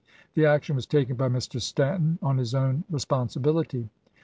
The action was taken by Mr. Stanton on his own responsibility.